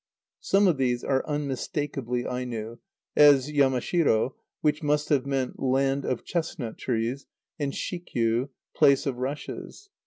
Some of these are unmistakeably Aino, as Yamashiro, which must have meant "land of chestnut trees," and Shikyu, "place of rushes."